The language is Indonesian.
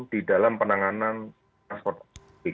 di dalam penanganan transportasi